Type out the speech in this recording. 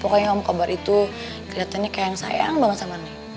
pokoknya om kobar itu kelihatannya kayak yang sayang banget sama nih